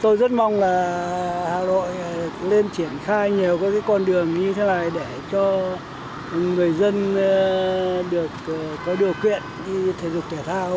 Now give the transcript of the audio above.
tôi rất mong hà nội lên triển khai nhiều con đường như thế này để cho người dân có điều kiện đi thể dục thể thao